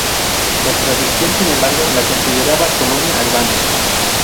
La tradición, sin embargo, la consideraba colonia albana.